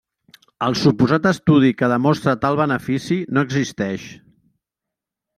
El suposat estudi que demostra tal benefici no existeix.